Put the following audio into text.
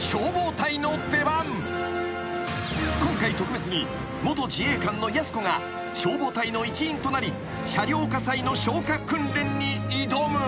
［今回特別に元自衛官のやす子が消防隊の一員となり車両火災の消火訓練に挑む］